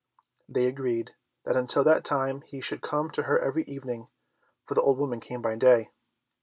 They agreed that until that time he should come to her every evening, for the old woman came by day.